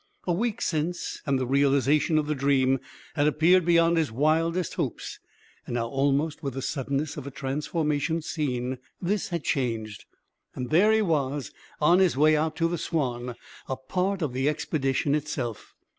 A week since, and the realization of the dream had appeared beyond his wildest hopes. Now, almost with the suddenness of a transformation scene, this had changed; and there was he on his way out to the Swanne, a part of the expedition itself.